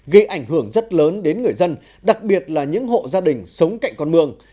gây ảnh hưởng rất lớn đến người dân đặc biệt là những hộ gia đình sống cạnh con mương